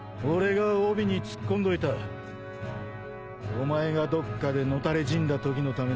お前がどっかで野垂れ死んだときのために。